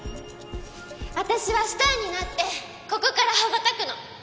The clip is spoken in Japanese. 私はスターになってここから羽ばたくの。